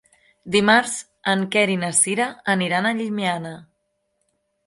Dimarts en Quer i na Sira aniran a Llimiana.